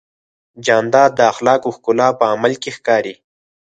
جانداد د اخلاقو ښکلا په عمل کې ښکاري.